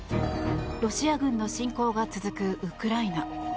ロシア軍の侵攻が続くウクライナ。